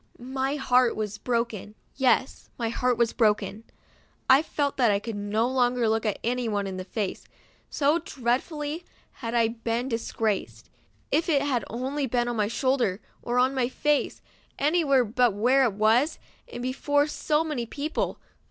My heart was broken, yes, my heart was broken. I felt that I could no longer look anyone in the face, so dreadfully had I been disgraced. If it had only been on my shoulder or on my face ; any where but where it was, and before so many people.